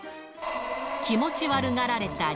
気持ち悪がられたり。